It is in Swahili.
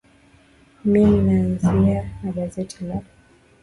mimi naanzia na gazeti la